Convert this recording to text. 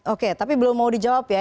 oke tapi belum mau dijawab ya